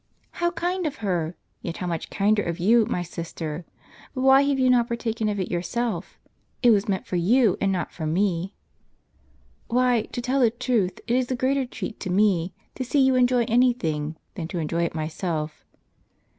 "How kind of her; yet how much kinder of you, my sister! But why have you not partaken of it yourself? It was meant for you and not for me." " Why, to tell the truth, it is a greater treat to me, to see you enjoy any thing, than to enjoy it myself."